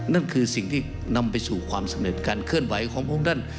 นั่นคือสิ่งที่นำไปสู่ความสำเร็จการเคลื่อนไหวของพระองค์ท่าน